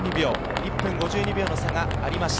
１分５２秒の差がありました。